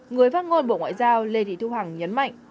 người phát ngôn bộ ngoại giao lê thị thu hằng nhấn mạnh